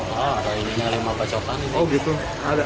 oh ini ada benda